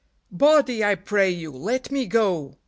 Body, I pray you, let me go